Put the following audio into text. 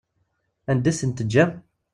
Anda i ten-teǧǧam?